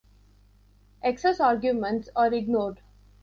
Excess arguments are ignored.